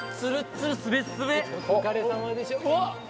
お疲れさまでしたわっ！